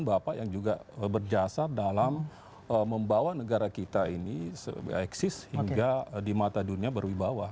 bapak yang juga berjasa dalam membawa negara kita ini eksis hingga di mata dunia berwibawa